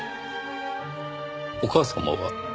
お母様は？